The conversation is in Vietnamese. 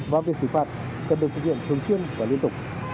và việc xử phạt cần được thực hiện thường xuyên và liên tục